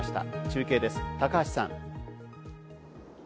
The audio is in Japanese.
中継です、高橋さん。